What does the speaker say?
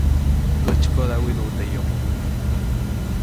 ‒ʼäjtsykoda widuʼu teʼ yomoʼ-.